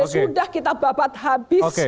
sudah kita babat habis